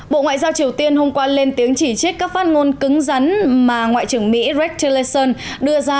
bộ ngoại giao triều tiên hôm qua lên tiếng chỉ trích các phát ngôn cứng rắn mà ngoại trưởng mỹ rack lechen đưa ra